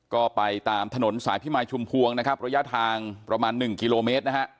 ก็ไปตามถนนสายพิมายชุมพวงนะครับระยะทางประมาณ๑กิโลเมตรนะฮะ